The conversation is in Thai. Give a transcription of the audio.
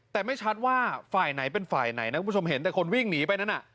แต่ไม่ชัดว่าฝ่ายไหนเป็นฝ่ายไหนนะคุณผู้ชมเห็นแต่คนวิ่งหนีไปนั้นน่ะ